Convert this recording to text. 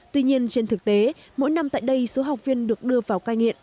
tuy nhiên trên thực tế mỗi năm tại đây số học viên được đưa vào cai nghiện